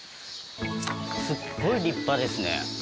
すごい立派ですね。